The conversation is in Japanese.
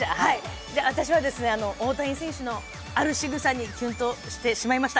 私は大谷選手のあるしぐさにキュンとしてしまいました。